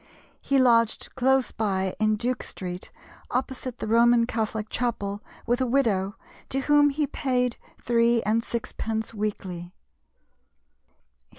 He lodged close by in Duke Street, opposite the Roman Catholic Chapel, with a widow, to whom he paid three and sixpence weekly.